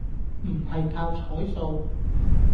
唔係靠彩數